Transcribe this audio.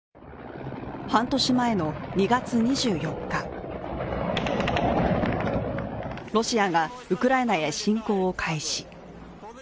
半年前の２月２４日ロシアがウクライナへ侵攻を開始。